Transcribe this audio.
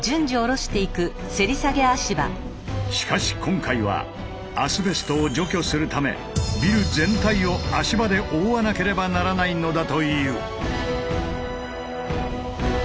しかし今回はアスベストを除去するためビル全体を足場で覆わなければならないのだという。